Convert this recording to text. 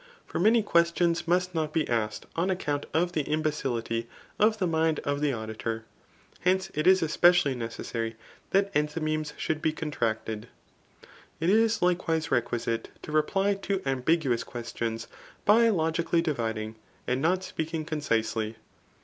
For many * questions must not be asked on account of the imbecility of [the mind of] the auditor. Hence, it is especially necessary that ^ithy metnee should be contracted. ''.' It is likewise requisite to reply to ambiguous questions, by logically dividing, and not speaking concisely.